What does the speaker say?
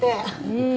うん。